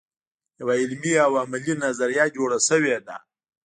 یوه علمي او عملي نظریه جوړه شوې ده.